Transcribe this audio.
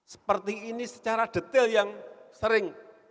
seperti ini secara detail yang sering